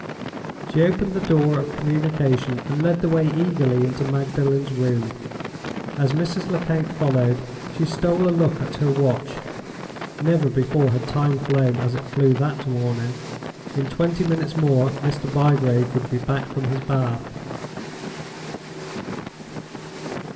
She opened the door of communication and led the way eagerly into Magdalen's room. As Mrs. Lecount followed, she stole a look at her watch. Never before had time flown as it flew that morning! In twenty minutes more Mr. Bygrave would be back from his bath.